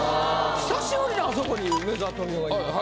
久しぶりにあそこ梅沢富美男がいます。